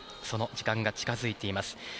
その時間が近づいています。